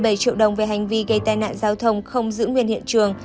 một mươi bảy triệu đồng về hành vi gây tai nạn giao thông không giữ nguyên hiện trường